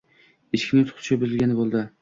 Eshikning tutqichi buzilgani boʻldi.